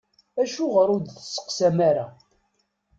Acuɣer ur d-testeqsam ara?